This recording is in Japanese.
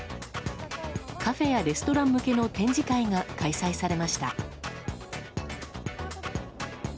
カフェやレストラン向けの展示会が開催されました。